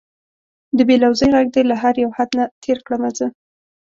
د بې لوظۍ غږ دې له هر یو حد نه تېر کړمه زه